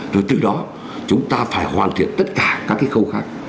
rồi từ đó chúng ta phải hoàn thiện tất cả các cái khâu khác